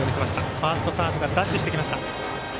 ファースト、サードがダッシュしてきました。